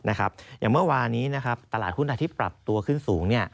อย่างเมื่อวานี้ตลาดหุ้นไทยที่ปรับตัวขึ้นสูง